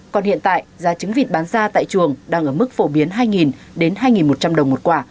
còn hiện tại giá trứng vịt bán ra tại chuồng đang ở mức phổ biến hai đến hai một trăm linh đồng một quả